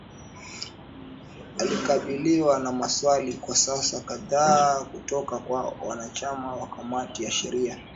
alikabiliwa na maswali kwa saa kadhaa kutoka kwa wanachama wa kamati ya sheria